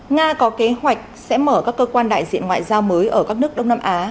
nga có kế hoạch sẽ mở các cơ quan đại diện ngoại giao mới ở các nước đông nam á